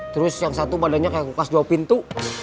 terus yang satu badannya kayak kukas dua pintu